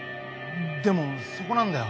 でもそこなんだよ。